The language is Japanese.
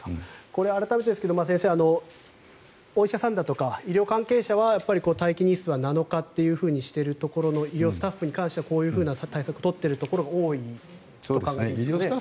改めてですが、先生お医者さんだとか医療関係者は待機日数は７日としているところ医療スタッフに関してはこういう対策を取っているところが多いと考えていいんですよね。